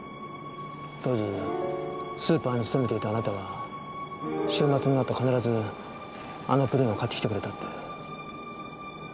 当時スーパーに勤めていたあなたは週末になると必ずあのプリンを買ってきてくれたって。